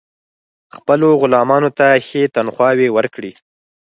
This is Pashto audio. خپلو غلامانو ته ښې تنخواوې ورکړي.